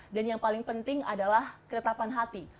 dan yang paling penting adalah keretapan hati